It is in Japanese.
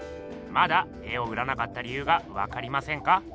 まだ絵を売らなかった理ゆうがわかりませんか？